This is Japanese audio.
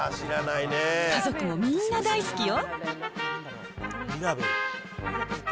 家族もみんな大好きよ。